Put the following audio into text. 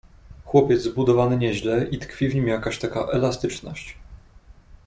"Chłopiec zbudowany nieźle i tkwi w nim jakaś taka elastyczność."